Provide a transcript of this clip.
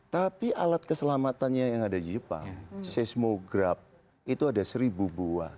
tapi alat keselamatannya yang ada di jepang seismograf itu ada seribu buah